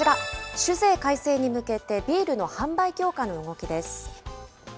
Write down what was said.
酒税改正に向けて、ビールの販売強化の動きです。